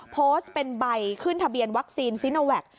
โพสต์เป็นใบขึ้นทะเบียนวัคซีนซีโนแวค